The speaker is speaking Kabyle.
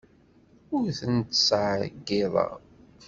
Ur ten-ttṣeyyideɣ.